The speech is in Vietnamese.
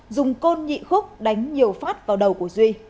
dùng côn nhị khúc đánh nhiều phát vào đầu của duy